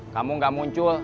kamu gak muncul